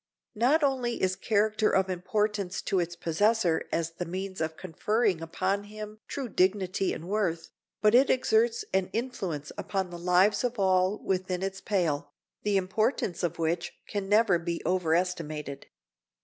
Not only is character of importance to its possessor as the means of conferring upon him true dignity and worth, but it exerts an influence upon the lives of all within its pale, the importance of which can never be overestimated.